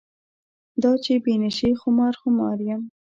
دا چې بې نشې خمار خمار یم.